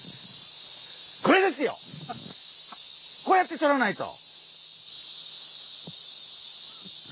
こうやってとらないと。